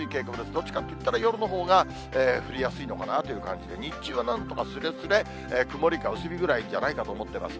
どっちかっていったら夜のほうが降りやすいのかなという感じで、日中はなんとか、すれすれ曇りか、薄日ぐらいじゃないかと思ってます。